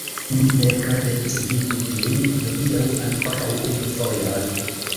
Mi nepre devis vidi vin hodiaŭ ankoraŭ unu fojon.